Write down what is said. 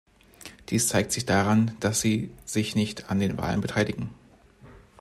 Dies zeigt sich daran, dass sie sich nicht an den Wahlen beteiligen.